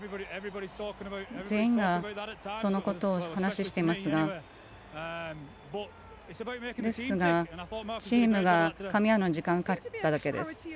全員がそのことを話していますがチームがかみ合うのに時間がかかっただけです。